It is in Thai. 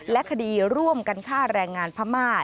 และคดีร่วมกันฆ่าแรงงานพม่า